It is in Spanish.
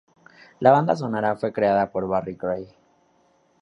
La banda sonora fue creada por Barry Gray.